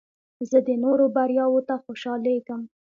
زه د نورو بریاوو ته خوشحالیږم.